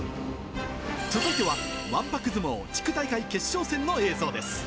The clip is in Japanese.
続いては、わんぱく相撲、地区大会決勝戦の映像です。